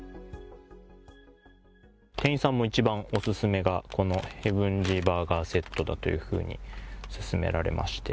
店員さんの一番お勧めが、このヘブンジーバーガーセットだというふうに勧められまして。